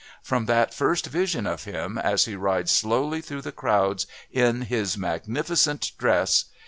From that first vision of him as he rides slowly through the crowds, in his magnificent dress